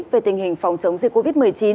về tình hình phòng chống dịch covid một mươi chín